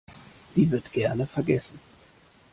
Die wird gerne vergessen.